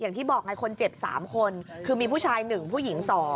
อย่างที่บอกไงคนเจ็บ๓คนคือมีผู้ชาย๑ผู้หญิง๒